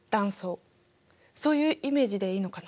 そういうイメージでいいのかな。